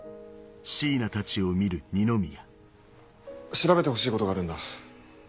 調べてほしいことがあるんだ。